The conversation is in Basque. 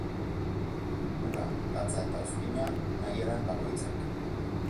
Ura, gatza eta ozpina, nahieran bakoitzak.